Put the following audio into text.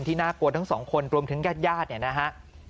ที่น่ากลัวทั้งสองคนรวมถึงแยดเนี่ยนะฮะ